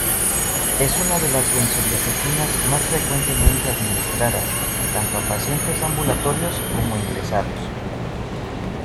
Es una de las benzodiazepinas más frecuentemente administradas tanto a pacientes ambulatorios como ingresados.